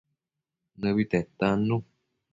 Nëbi netannu